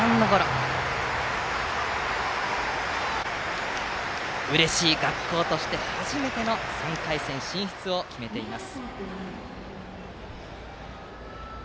土浦日大、うれしい学校として初めての３回戦進出を決めています。